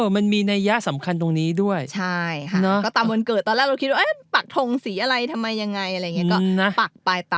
มันมีนายะสำคัญตรงวันเกิดตอนแล้วเราผักทงสีอะไรทำไมยังไง